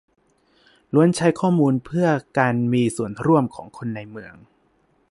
ล้วนใช้ข้อมูลเพื่อการมีส่วนร่วมของคนในเมือง